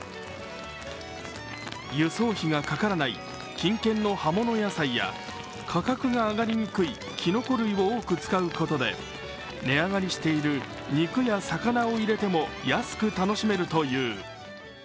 輸送費がかからない近県の葉物野菜や価格が上がりにくいきのこ類を多く使うことで値上がりしている肉やさかなを入れても安く楽しめるという。